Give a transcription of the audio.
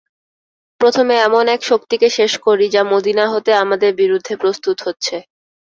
প্রথমে এমন এক শক্তিকে শেষ করি, যা মদীনা হতে আমাদের বিরুদ্ধে প্রস্তুত হচ্ছে।